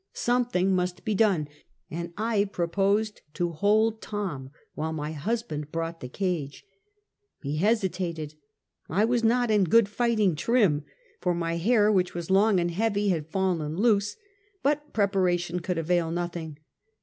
Something must be done, and I proposed to hold Tom while my husband brought the cage. He hesitated. I was not in good fighting trim, for my hair which was long and heavy had fallen loose, but preparation could avail nothing.